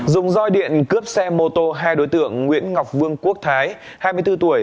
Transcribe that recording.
dùng roi điện cướp xe mô tô hai đối tượng nguyễn ngọc vương quốc thái hai mươi bốn tuổi